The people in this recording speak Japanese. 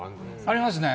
ありますね。